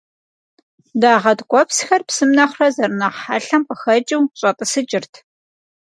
Дагъэ ткӏуэпсхэр псым нэхърэ зэрынэхъ хьэлъэм къыхэкӏыу щӏэтӏысыкӏырт.